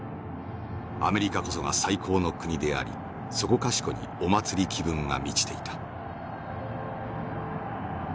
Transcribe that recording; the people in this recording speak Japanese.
アメリカこそが最高の国でありそこかしこにお祭り気分が満ちていた」。